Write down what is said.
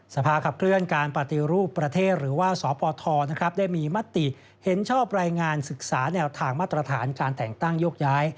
สภาขับเคลื่อนการปฏิรูปประเทศหรือว่าสปทได้มีมติเห็นชอบรายงานศึกษาแนวทางมาตรฐานการแต่งตั้งโยกย้าย